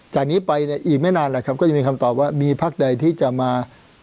จากนี้ไปเนี่ยอีกไม่นานแหละครับก็จะมีคำตอบว่ามีพักใดที่จะมา